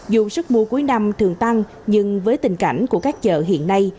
dù sức mua cuối năm thường tăng nhưng với tình cảnh của các chợ hiện nay